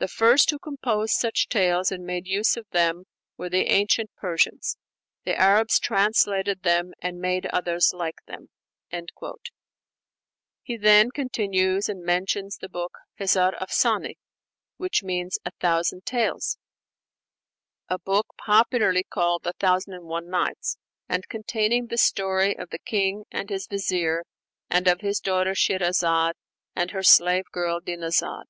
"The first who composed such tales and made use of them were the ancient Persians. The Arabs translated them, and made others like them." He then continues ('Prairies d'Or,' ed. De Meynard) and mentions the book 'Hezar Afsane,' which means "a thousand tales," a book popularly called the 'Thousand and One Nights,' and containing the story of the king and his vizier, and of his daughter Shirazaad and her slave girl Dinazad.